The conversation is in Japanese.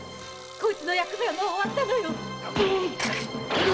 こいつの役目はもう終わったのよ！